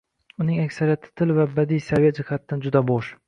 Uning aksariyati tili va badiiy saviya jihatidan juda bo‘sh.